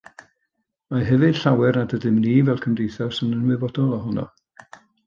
Mae hefyd llawer nad ydym ni fel cymdeithas yn ymwybodol ohono